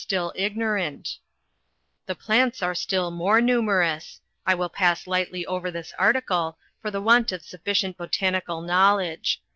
LEWIS AND CLARKE 21 The plants are still more numerous: I will pass lightly over this article, for the want of sufficient botanical knowl edge.